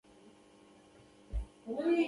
آیا دوی ډالۍ او یادګارونه نه اخلي؟